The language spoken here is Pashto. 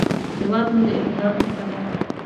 هېواد مو د اتحاد نښه ده